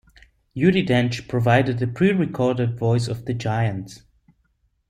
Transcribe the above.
Judi Dench provided the pre-recorded voice of the Giant.